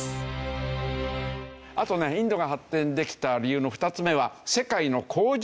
あとねインドが発展できた理由の２つ目は。